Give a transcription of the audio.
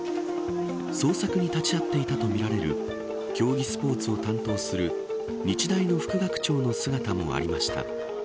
捜索に立ち会っていたとみられる競技スポーツを担当する日大の副学長の姿もありました。